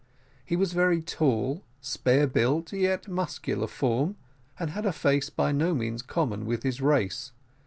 He was a very tall, spare built, yet muscular form, and had a face by no means common with his race.